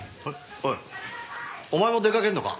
おいお前も出かけるのか？